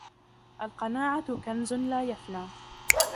القناعة كنزٌ لا يفنى.